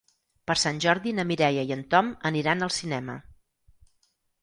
Per Sant Jordi na Mireia i en Tom aniran al cinema.